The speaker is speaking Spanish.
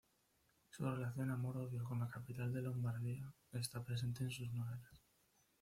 Su relación "amor-odio" con la capital de Lombardía está presente en sus novelas.